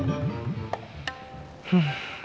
mending masakin bubur aja